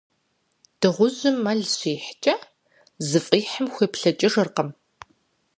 Дыгъужьым мэл щихькӀэ, зыфӀихьым хуеплъэкӀыжыркъым.